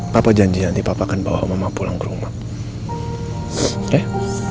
papa janji nanti bapak akan bawa mama pulang ke rumah eh